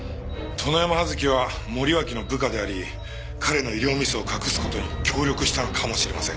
殿山葉月は森脇の部下であり彼の医療ミスを隠す事に協力したのかもしれません。